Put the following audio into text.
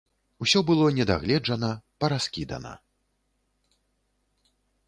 Усё было не дагледжана, параскідана.